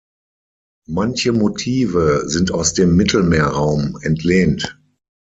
Manche Motive sind aus dem Mittelmeerraum entlehnt.